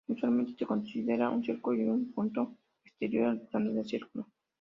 Usualmente, se considera un círculo y un punto exterior al plano del círculo.